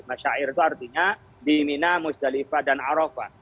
masyair itu artinya di mina musdalifah dan arofah